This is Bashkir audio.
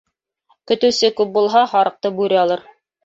Көтөүсе күп булһа, һарыҡты бүре алыр.